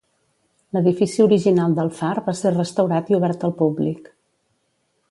L'edifici original del far va ser restaurat i obert al públic.